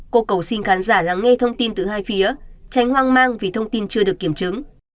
cô cầu xin khán giả lắng nghe thông tin từ hai phía tránh hoang mang vì thông tin chưa được kiểm chứng